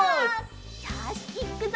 よしいっくぞ！